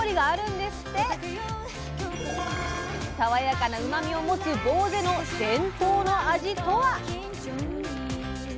爽やかなうまみを持つぼうぜの伝統の味とは！